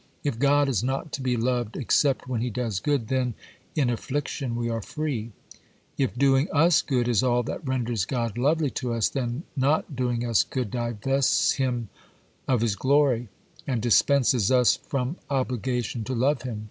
If God is not to be loved except when He does good, then in affliction we are free. If doing us good is all that renders God lovely to us, then not doing us good divests Him of His glory, and dispenses us from obligation to love Him.